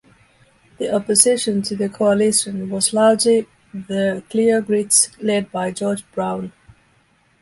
The opposition to the Coalition was largely the Clear Grits, led by George Brown.